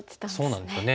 そうなんですよね。